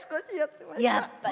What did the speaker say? やっぱり。